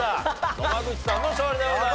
野間口さんの勝利でございます。